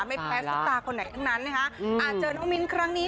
ไม่แพ้ซุปตาคนไหนทั้งนั้นนะคะอาจเจอน้องมิ้นครั้งนี้